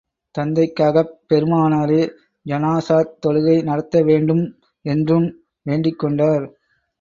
தந்தைக்காகப் பெருமானாரே ஜனாஸாத் தொழுகை நடத்த வேண்டும் என்றும் வேண்டிக் கொண்டார்.